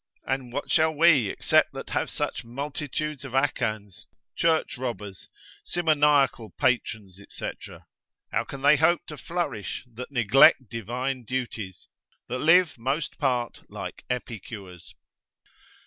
And what shall we except that have such multitudes of Achans, church robbers, simoniacal patrons, &c., how can they hope to flourish, that neglect divine duties, that live most part like Epicures?